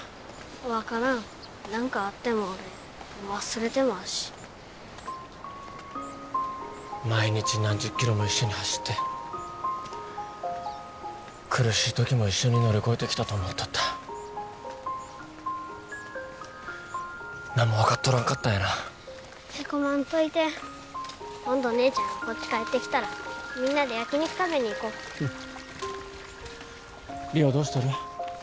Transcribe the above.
分からん何かあっても俺忘れてまうし毎日何十キロも一緒に走って苦しい時も一緒に乗り越えてきたと思っとった何も分かっとらんかったんやなヘコまんといて今度姉ちゃんがこっち帰ってきたらみんなで焼き肉食べに行こううん梨央どうしとる？